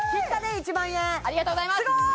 １万円ありがとうございますすごーい！